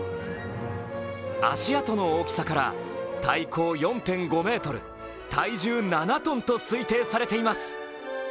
足跡の大きさから体高４．５ｍ、体重７トンと推定されています。